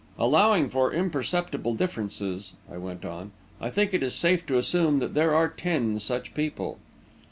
"Allowing for imperceptible differences," I went on, "I think it is safe to assume that there are ten such people."